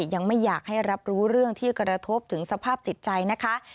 ยังไม่อยากให้รับรู้เรื่องที่กระทบถึงสภาพจิตใจนะคะ